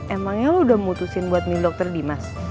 emangnya lu sudah memutuskan untuk memilih dokter dimas